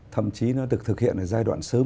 thậm chí nó được thực hiện ở giai đoạn sớm